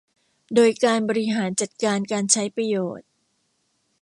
โดยการบริหารจัดการการใช้ประโยชน์